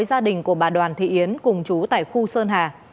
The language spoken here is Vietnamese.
dành cho những chuyện